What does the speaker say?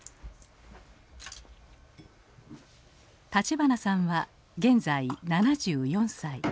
立花さんは現在７４歳。